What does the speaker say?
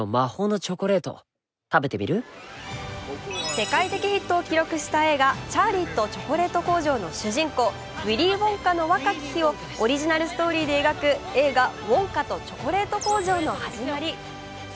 世界的ヒットを記録した映画「チャーリーとチョコレート工場」の主人公、ウィリー・ウォンカの若き日をオリジナルストーリーで描く映画「ウォンカとチョコレート工場のはじまり」